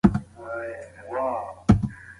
د انټرنیټ شتون د علمي موادو خوندیتوب تضمینوي.